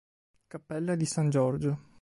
Cappella di San Giorgio